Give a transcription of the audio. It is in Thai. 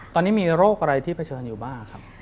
ตอนนี้มีโรคอะไรที่เผชิญอยู่บ้างครับ